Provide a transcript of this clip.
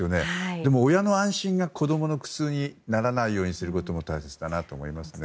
でも、親の安心が子供の苦痛にならないようにすることも大切だなと思いますね。